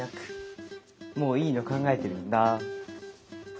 もういいの考えてるんだ。